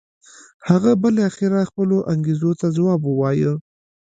هغه بالاخره خپلو انګېزو ته ځواب و وایه.